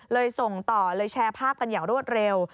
ส่งต่อเลยแชร์ภาพกันอย่างรวดเร็ว